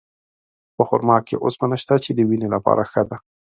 په خرما کې اوسپنه شته، چې د وینې لپاره ښه ده.